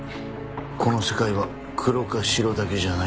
この世界は黒か白だけじゃない。